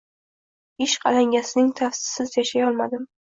ishq alangasining taftisiz yashay olmadim.